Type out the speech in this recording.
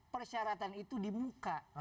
persyaratan itu di muka